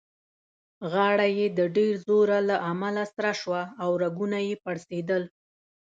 غاړه يې د ډېر زوره له امله سره شوه او رګونه يې پړسېدل.